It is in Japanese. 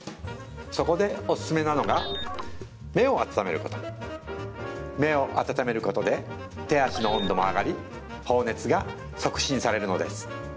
そこでおすすめなのが目を温めること目を温めることで手足の温度も上がり放熱が促進されるのです